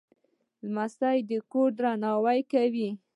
لمسی د کورنۍ درناوی کوي.